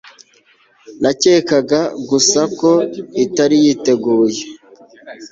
Nakekaga gusa ko itari yiteguye